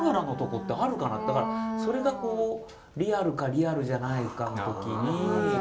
それがリアルかリアルじゃないかの時に。